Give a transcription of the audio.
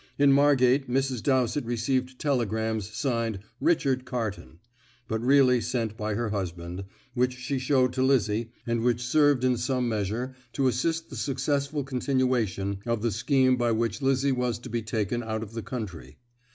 In Margate Mrs. Dowsett received telegrams signed "Richard Carton," but really sent by her husband, which she showed to Lizzie, and which served in some measure to assist the successful continuation of the scheme by which Lizzie was to be taken out of the country.